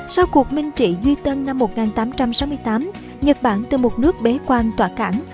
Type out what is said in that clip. sau cuộc minh trị duy tân năm một nghìn tám trăm sáu mươi tám nhật bản từ một nước bế quan tọa cảng